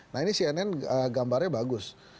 nah ini cnn gambarnya bagus